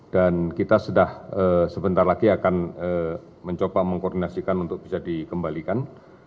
dan kita sudah sebentar lagi akan mencoba mengkoordinasikan untuk bisa dikembalikan